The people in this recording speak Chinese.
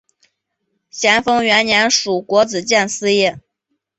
咸丰元年署国子监司业。